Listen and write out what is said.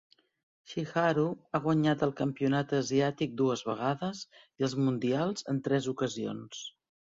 Chiharu ha guanyat el campionat asiàtic dues vegades i els mundials en tres ocasions.